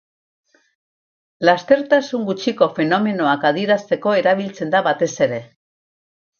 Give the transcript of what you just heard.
Lastertasun gutxiko fenomenoak adierazteko erabiltzen da batez ere.